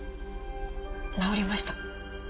治りました。